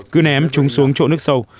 cứ ném chúng xuống chỗ nước sâu